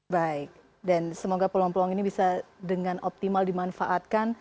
baik dan semoga peluang peluang ini bisa dengan optimal dimanfaatkan